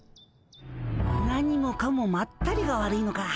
何もかもまったりが悪いのか。